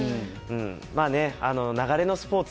まあね、流れのスポーツ。